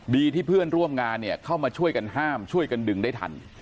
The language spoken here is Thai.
ที่เพื่อนร่วมงานเนี่ยเข้ามาช่วยกันห้ามช่วยกันดึงได้ทัน